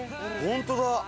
本当だ。